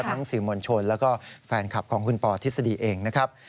สื่อมวลชนแล้วก็แฟนคลับของคุณปอทฤษฎีเองนะครับ